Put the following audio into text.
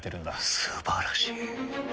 素晴らしい。